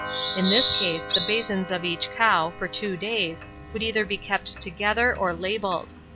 In this case the basins of each cow, for two days, would either be kept together or labelled.